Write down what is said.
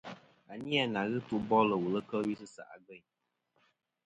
A ni a na ghɨ ɨtu bolɨ wùl kel wi sɨ se ' a gveyn.